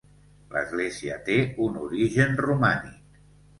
L’església té un origen romànic.